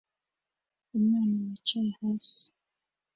Umwana wicaye hasi